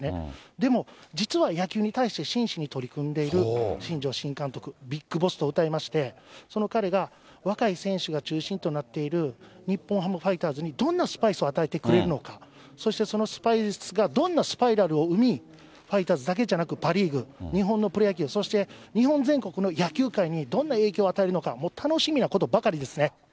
でも実は野球に対して真摯に取り組んでいる新庄新監督、ビッグボスとうたいまして、その彼が若い選手が中心となっている日本ハムファイターズに、どんなスパイスを与えてくれるのか、そしてそのスパイスがどんなスパイラルを生み、ファイターズだけじゃなくパ・リーグ、日本のプロ野球、そして日本全国の野球界にどんな影響を与えるのか、もう楽しみなことばかりですね。